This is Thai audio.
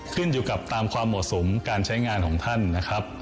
ขึ้นอยู่กับตามความเหมาะสมการใช้งานของท่านนะครับ